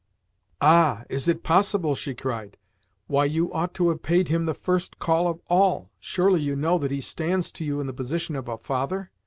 "Ah, is it possible?" she cried. "Why, you ought to have paid him the first call of all! Surely you know that he stands to you in the position of a father?